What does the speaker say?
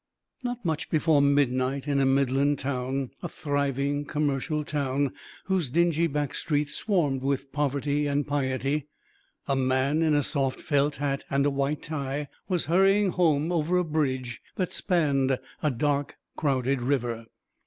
_ Not much before midnight in a midland town a thriving commercial town, whose dingy back streets swarmed with poverty and piety a man in a soft felt hat and a white tie was hurrying home over a bridge that spanned a dark crowded river.